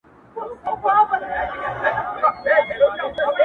داده پښـــــتانه اشـــــــنــــٰــا.